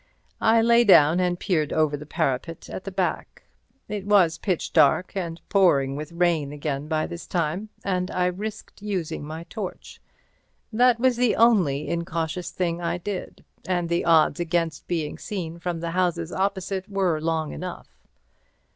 I lay down and peered over the parapet at the back. It was pitch dark and pouring with rain again by this time, and I risked using my torch. That was the only incautious thing I did, and the odds against being seen from the houses opposite were long enough.